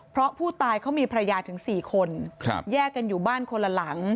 เพราะผู้ตายเขามีภรรยาถึง๔คนแยกกันอยู่บ้านคนละหลัง